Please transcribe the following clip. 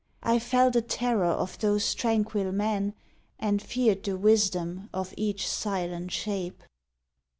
I felt a terror of those tranquil men, And feared the wisdom of each silent shape.